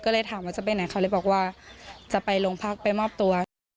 ก็เลยถามว่าจะไปไหนเขาเลยบอกว่าจะไปโรงพักไปมอบตัว